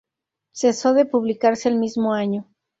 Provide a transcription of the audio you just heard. Cesó de publicarse el mismo año.